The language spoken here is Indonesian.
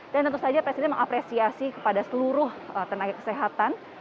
tentu saja presiden mengapresiasi kepada seluruh tenaga kesehatan